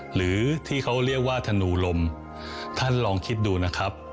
หรือที่เขาเรียกว่าธนูลมท่านลองคิดดูนะครับ